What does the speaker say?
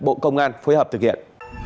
cảnh sát điều tra bộ công an phối hợp thực hiện